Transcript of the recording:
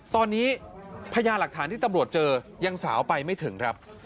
ตอนนี้พญาหลักฐานที่ตำรวจเจอยังสาวไปไม่ถึงครับ